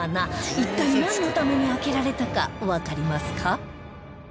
一体なんのために開けられたかわかりますか？